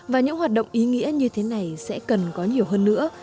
và những hoạt động ý nghĩa như thế này sẽ cần có nhiều hơn nữa